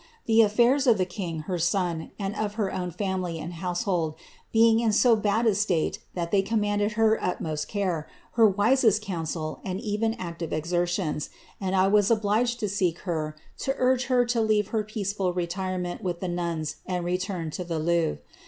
The a&irs of the king, her son, and of her own family and household, being in so bad a state that they demanded her utmost care, her wisest counsel and even active exertions, and I was obliged to seek her, to urge licr to leave her peaceful retirement with the nuns, and return to the Louvre.